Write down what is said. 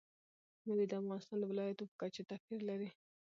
مېوې د افغانستان د ولایاتو په کچه توپیر لري.